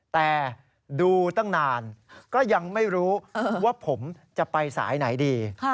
แต่ดูตั้งนานก็ยังไม่รู้ว่าผมจะไปสายไหนดี